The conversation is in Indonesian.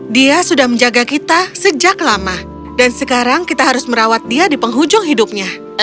dia sudah menjaga kita sejak lama dan sekarang kita harus merawat dia di penghujung hidupnya